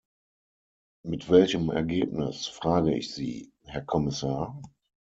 Mit welchem Ergebnis, frage ich Sie, Herr Kommissar?